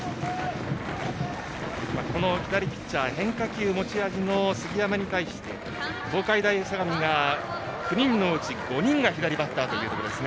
この左ピッチャー変化球が持ち味の杉山に対して東海大相模は９人のうち５人が左バッターだそうです。